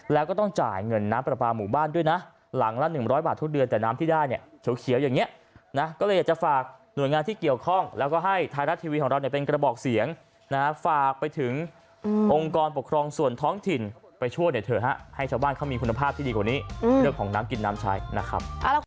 แล้วก็ให้ทายรัฐทีวีของเราเป็นกระบอกเสียงฝากไปถึงองค์กรปกครองส่วนท้องถิ่นไปช่วงเถอะให้ชาวบ้านเขามีคุณภาพที่ดีกว่านี้เรื่องของน้ำกินน้ำชายนะครับ